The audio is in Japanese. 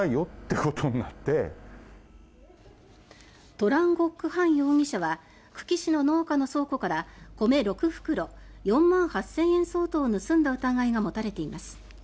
トラン・ゴック・ハン容疑者は久喜市の農家の倉庫から米６袋、４万８０００円相当を盗んだ疑いが持たれています。